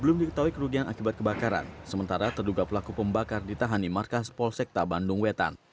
belum diketahui kerugian akibat kebakaran sementara terduga pelaku pembakar ditahani markas polsekta bandung wetan